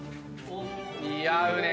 似合うね！